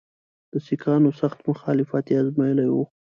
د سیکهانو سخت مخالفت یې آزمېیلی وو.